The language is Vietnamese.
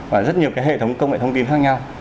và rất nhiều hệ thống công nghệ thông tin khác nhau